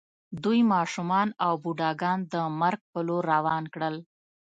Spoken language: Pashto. دوی ماشومان او بوډاګان د مرګ په لور روان کړل